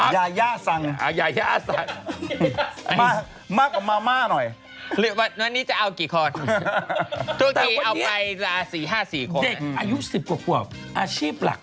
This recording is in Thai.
ยาย่าซังมากกว่ามาม่าหน่อยอายุ๑๐กว่าหัวอาชีพหลัก